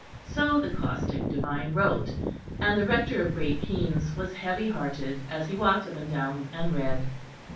So the caustic divine wrote, and the Rector of Great Keynes was heavy hearted as he walked up and down and read.